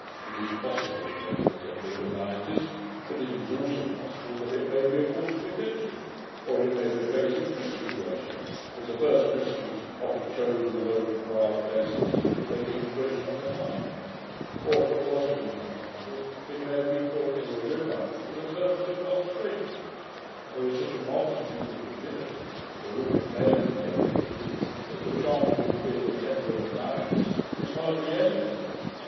It is possible it may be the temple of Anaitis. But it is also possible that it may be a fortification; or it may be a place of Christian worship, as the first Christians often chose remote and wild places, to make an impression on the mind; or, if it was a heathen temple, it may have been built near a river, for the purpose of lustration; and there is such a multitude of divinities, to whom it may have been dedicated, that the chance of its being a temple of Anaitis is hardly any thing.